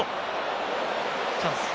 チャンス。